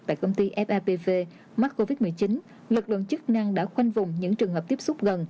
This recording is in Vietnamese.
tại công ty fapv mắc covid một mươi chín lực lượng chức năng đã khoanh vùng những trường hợp tiếp xúc gần